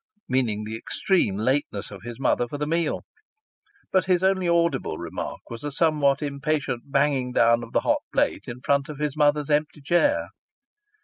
meaning the extreme lateness of his mother for the meal. But his only audible remark was a somewhat impatient banging down of the hot plate in front of his mother's empty chair.